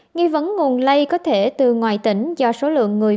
nghi vấn nguồn lây có thể từ ngoài tỉnh do số lượng người